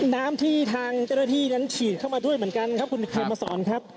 น้ำที่ทางเจ้าหน้าที่นั้นฉีดเข้ามาด้วยเหมือนกันครับคุณเขมมาสอนครับ